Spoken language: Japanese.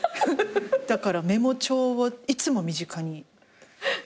だからメモ帳をいつも身近に。